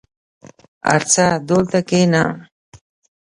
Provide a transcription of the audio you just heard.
ارڅه دولته کينه.